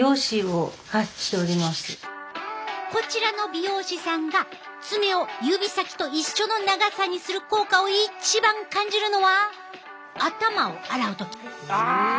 こちらの美容師さんが爪を指先と一緒の長さにする効果を一番感じるのは頭を洗う時。